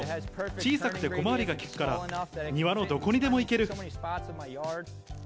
小さくて小回りが利くから、庭のどこにでも行ける。